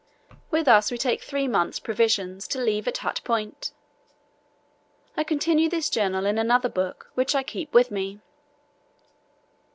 With us we take three months' provisions to leave at Hut Point. I continue this journal in another book, which I keep with me."